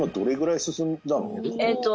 えっと。